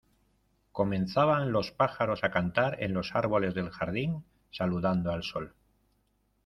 comenzaban los pájaros a cantar en los árboles del jardín, saludando al sol